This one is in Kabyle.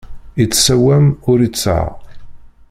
Ittsawam, ur ittaɣ.